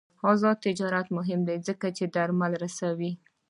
آزاد تجارت مهم دی ځکه چې درمل رسوي.